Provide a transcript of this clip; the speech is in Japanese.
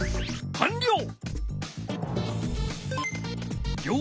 かんりょう！